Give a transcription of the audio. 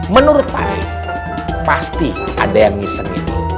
menurut pak ade pasti ada yang ngeselin